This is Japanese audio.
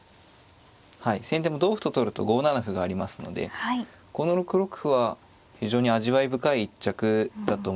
はい先手も同歩と取ると５七歩がありますのでこの６六歩は非常に味わい深い一着だと思います。